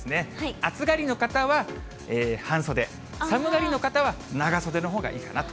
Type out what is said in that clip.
暑がりの方は半袖、寒がりの方は長袖のほうがいいかなと。